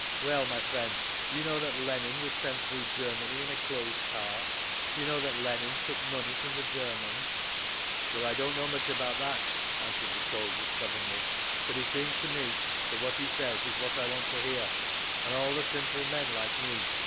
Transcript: "Well, my friend, do you know that Lenin was sent through Germany in a closed car? Do you know that Lenin took money from the Germans?" "Well, I don't know much about that," answered the soldier stubbornly, "but it seems to me that what he says is what I want to hear, and all the simple men like me.